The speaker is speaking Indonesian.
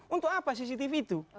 untuk apa cctv itu